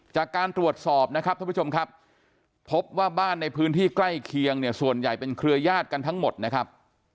จากการตรวจสอบนะครับท่านผู้ชมครับพบว่าบ้านในพื้นที่ใกล้เคียงเนี่ยส่วนใหญ่เป็นเครือญาติกันทั้งหมดนะครับ